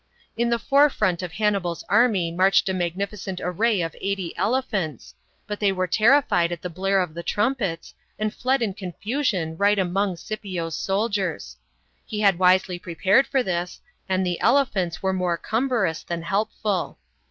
In the forefront of Hannibal's army marched a magnificent array of eighty elephants, but they were terrified at the blare of the trumpets, and fled in confusion right among Scipio's soldiers. He had wisely prepared for this, and the elephants were more cumbrous, than helpful.